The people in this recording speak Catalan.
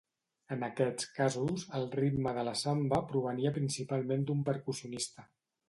En aquests casos, el ritme de la samba provenia principalment d'un percussionista.